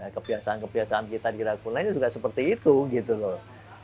kebiasaan kebiasaan kita di ragunannya juga seperti itu gitu loh